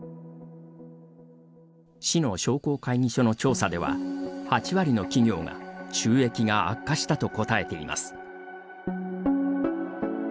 市の商工会議所の調査では８割の企業が収益が悪化したと答えています。